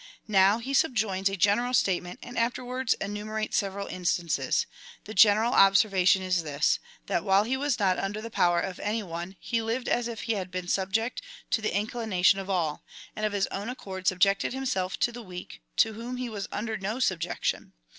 Now he subjoins a general statement, and afterwards enumerates several in stances. The general observation is this — that while he was not under the power of any one, he lived as if he had been subject to the inclination of all, and of his own accord sub jected himself to the weak, to whom he was under no sub CHAP. IX. 22. FIRST EPISTLE TO THE CORINTHIANS. 305 jection.